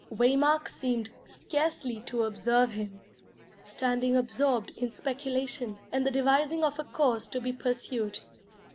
Waymark seemed scarcely to observe him, standing absorbed in speculation and the devising of a course to be pursued.